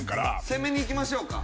攻めにいきましょうか。